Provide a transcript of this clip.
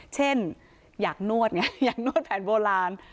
เช่นอยากนวดไงอยากนวดแผนโบราณ